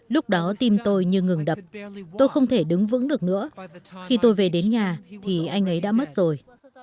lúc đó tim tôi như ngừng đập tôi không thể đứng vững được nữa khi tôi về đến nhà thì anh ấy đã mất rồi